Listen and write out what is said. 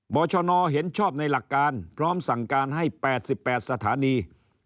ชนเห็นชอบในหลักการพร้อมสั่งการให้๘๘สถานี